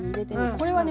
これはね